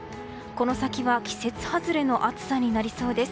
この先は季節外れの暑さになりそうです。